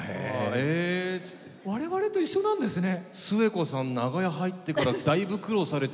我々と一緒なんですね。